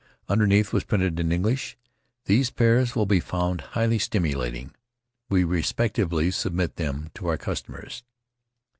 Underneath was printed in English: "These pears will be found highly stimulating. We respectfully submit them to our customers."